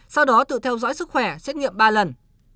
sau đó tự theo dõi sức khỏe xét nghiệm ba lần